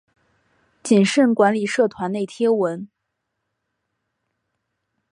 谨慎管理社团内贴文